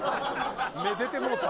「目出てもうた」